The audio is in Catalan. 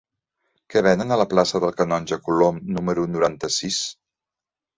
Què venen a la plaça del Canonge Colom número noranta-sis?